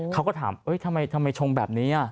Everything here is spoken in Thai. เขาก็ถามทำไมชงแบบนี้